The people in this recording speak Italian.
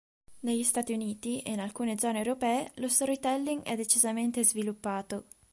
Negli Stati Uniti, e in alcune zone europee, lo storytelling è decisamente sviluppato.